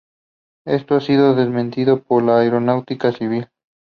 Esto ha sido desmentido por la Aeronáutica Civil.